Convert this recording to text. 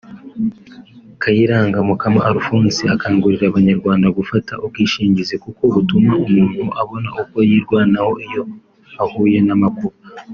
Kayiranga Mukama Alphonse akangurira abanyarwanda gufata ubwishingizi kuko butuma umuntu abona uko yirwanaho iyo yahuye n’amakuba